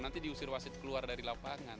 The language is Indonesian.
nanti diusir wasit keluar dari lapangan